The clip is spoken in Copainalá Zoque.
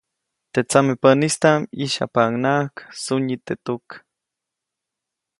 Teʼ tsamepäʼnistaʼm ʼyisyajpaʼuŋnaʼak sunyi teʼ tuk.